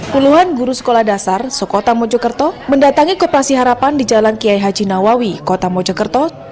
puluhan guru sekolah dasar sekota mojokerto mendatangi koperasi harapan di jalan kiai haji nawawi kota mojokerto